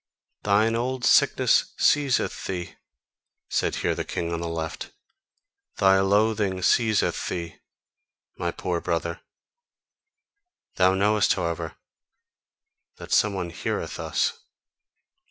"Thine old sickness seizeth thee," said here the king on the left, "thy loathing seizeth thee, my poor brother. Thou knowest, however, that some one heareth us."